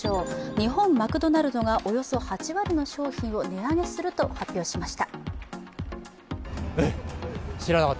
日本マクドナルドがおよそ８割の商品を値上げすると発表しました。